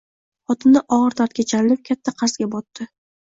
Xotini ogʻir dardga chalinib, katta qarzga botdi.